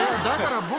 だから。